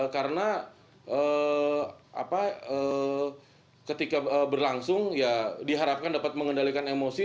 karena ketika berlangsung ya diharapkan dapat mengendalikan emosi